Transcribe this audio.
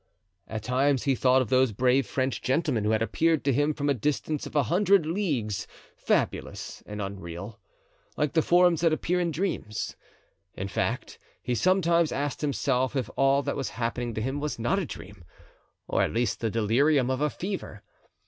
At times he thought of those brave French gentlemen who had appeared to him from a distance of a hundred leagues fabulous and unreal, like the forms that appear in dreams. In fact, he sometimes asked himself if all that was happening to him was not a dream, or at least the delirium of a fever.